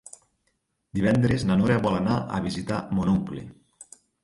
Divendres na Nora vol anar a visitar mon oncle.